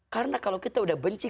karena kalau kita sudah benci